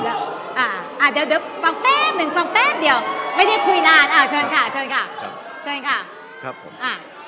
เดี๋ยวฟังแป๊บหนึ่งฟังแป๊บเดี๋ยวไม่ได้คุยนาน